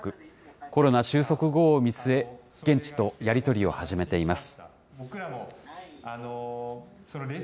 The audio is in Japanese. コロナ収束後を見据え、現地とやり取りを始めています。